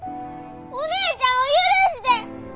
お姉ちゃんを許して！